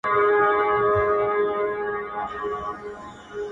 گراني خبري سوې پرې نه پوهېږم;